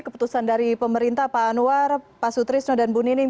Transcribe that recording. keputusan dari pemerintah pak anwar pak sutrisno dan bu nining